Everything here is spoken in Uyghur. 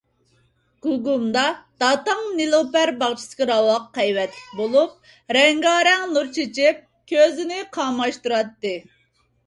گۇگۇمدا داتاڭ نېلۇپەر باغچىسىدىكى راۋاق ھەيۋەتلىك بولۇپ، رەڭگارەڭ نۇر چېچىپ، كۆزنى قاماشتۇراتتى.